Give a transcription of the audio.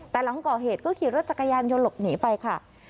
แต่หลังก่อเหตุก็ขี่รถจักรยานยนต์หลบหนีไปค่ะ